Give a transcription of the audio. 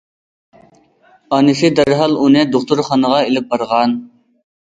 ئانىسى دەرھال ئۇنى دوختۇرخانىغا ئېلىپ بارغان.